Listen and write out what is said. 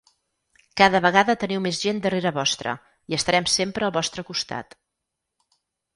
Cada vegada teniu més gent darrere vostre i estarem sempre al vostre costat.